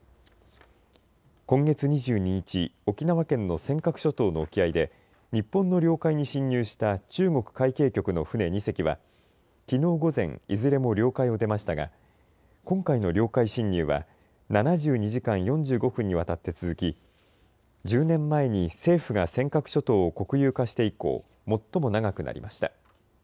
今月２２日、沖縄県の尖閣諸島の沖合で日本の領海に侵入した中国海警局の船２隻はきのう午前、いずれも領海を出ましたが今回の領海侵入は７２時間４５分にわたって続き１０年前に政府が尖閣諸島を国有化して以降、最も長くなりました。